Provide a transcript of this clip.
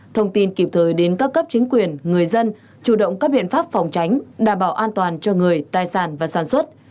thông tin kịp thời đến các cấp chính quyền người dân chủ động các biện pháp phòng tránh đảm bảo an toàn cho người tài sản và sản xuất